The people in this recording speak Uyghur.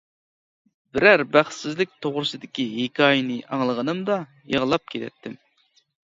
بىرەر بەختسىزلىك توغرىسىدىكى ھېكايىنى ئاڭلىغىنىمدا يىغلاپ كېتەتتىم.